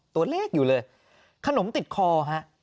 ตัวเลขอยู่เลยขนมติดคอฮะ